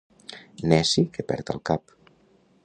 Neci que perd el cap.